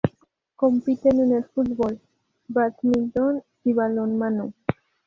Compiten en el fútbol, bádminton y balonmano.